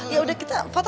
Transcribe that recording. ya udah kita foto